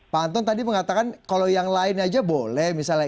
pak anton tadi mengatakan kalau yang lain aja boleh misalnya